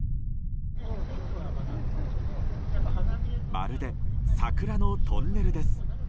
まるで桜のトンネルです。